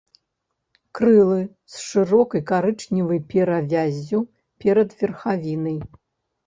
Крылы з шырокай карычневай перавяззю перад верхавінай.